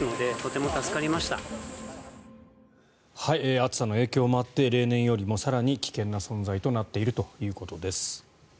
暑さの影響もあって例年よりも更に危険な存在となっているということです。